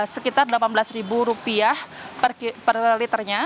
sekitar rp delapan belas per liternya